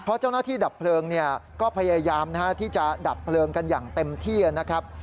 เพราะเจ้าหน้าที่ดับเพลิงก็พยายามที่จะดับเพลิงกันอย่างเต็มที่นะครับ